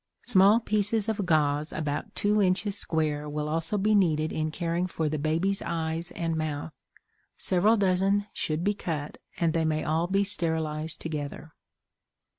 Small pieces of gauze about two inches square will also be needed in caring for the baby's eyes and mouth. Several dozen should be cut, and they may all be sterilized together.